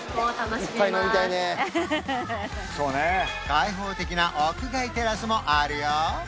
開放的な屋外テラスもあるよ